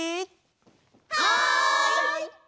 はい！